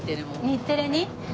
日テレに？